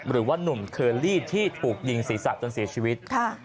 หรือว่านุ่มเคอรี่ที่ถูกยิงศีรษะจนเสียชีวิต